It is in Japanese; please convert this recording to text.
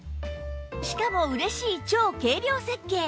しかも嬉しい超軽量設計